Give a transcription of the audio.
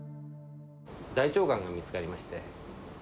大腸がんが見つかりまして。